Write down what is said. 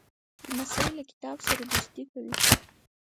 لمسی له کتاب سره دوستي کوي.